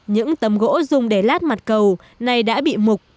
những tấm gỗ dùng để lát mặt cầu nay đã bị mục